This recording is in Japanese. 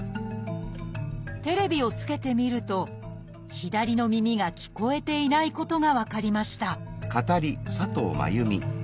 テレビをつけてみると左の耳が聞こえていないことが分かりました